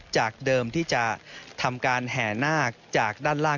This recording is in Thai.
จากเดิมที่จะทำการแห่นาคจากด้านล่าง